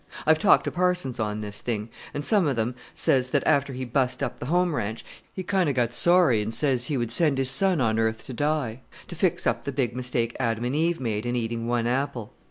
I've talked to parsons on this thing, and some of them says that after He bust up the home ranch He kind of got sorry, and says He would send His Son on earth to die to fix up the big mistake Adam and Eve made in eating one apple.